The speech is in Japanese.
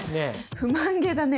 不満げだね。